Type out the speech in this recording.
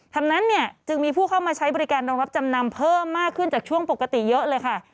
นั้นเนี่ยจึงมีผู้เข้ามาใช้บริการโรงรับจำนำเพิ่มมากขึ้นจากช่วงปกติเยอะเลยค่ะ